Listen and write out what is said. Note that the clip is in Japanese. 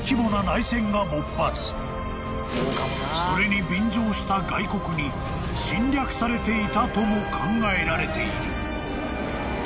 ［それに便乗した外国に侵略されていたとも考えられている］